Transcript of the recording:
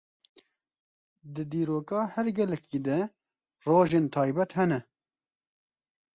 Di dîroka her gelekî de rojên taybet hene.